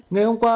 ngày hôm qua